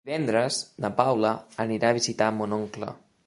Divendres na Paula anirà a visitar mon oncle.